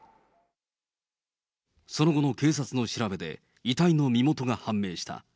その後の警察の調べで、遺体の身元が判明した。